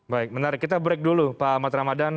baik menarik kita break dulu pak ahmad ramadan